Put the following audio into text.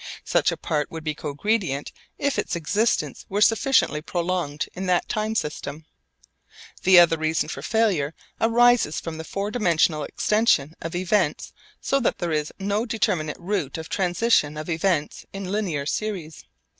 Such a part would be cogredient if its existence were sufficiently prolonged in that time system. The other reason for failure arises from the four dimensional extension of events so that there is no determinate route of transition of events in linear series.